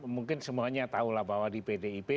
mungkin semuanya tahulah bahwa di pdip